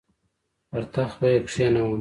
پر تخت به یې کښېنوم.